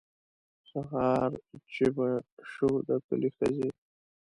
سهار چې به شو د کلي ښځې.